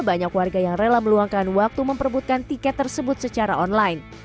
banyak warga yang rela meluangkan waktu memperbutkan tiket tersebut secara online